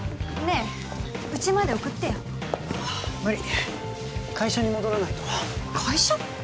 えうちまで送ってよああ無理会社に戻らないと会社！？